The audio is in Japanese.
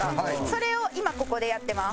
それを今ここでやってます。